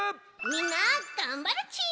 みんながんばるち！